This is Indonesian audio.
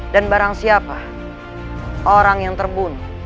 dan barang siapa orang yang terbunuh